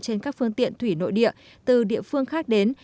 trên các phương tiện thủy nội địa từ địa phương khác đến